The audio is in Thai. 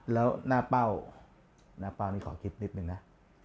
แล้วหน้าเป้าหน้าเป้านี่ขอคิดนิดนึงนะ